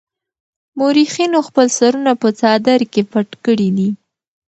مورخينو خپل سرونه په څادر کې پټ کړي دي.